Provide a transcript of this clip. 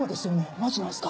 マジなんすか？